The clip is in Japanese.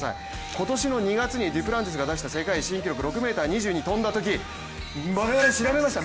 今年の２月にデュプランティスが出した世界新記録６ｍ２２を跳んだとき、我々、調べました。